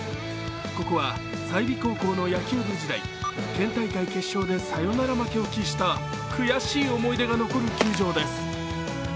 ここは済美高校の野球部時代、県大会決勝でサヨナラ負けを喫した悔しい思い出が残る球場です。